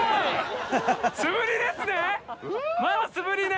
素振りですね？